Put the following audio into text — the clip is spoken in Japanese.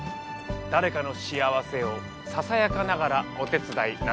誰かの幸せをささやかながらお手伝い。